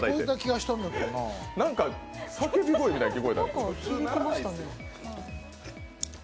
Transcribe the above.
何か叫び声みたいなの聞こえた。